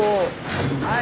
はい。